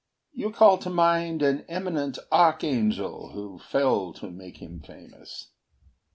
You call to mind an eminent archangel Who fell to make him famous.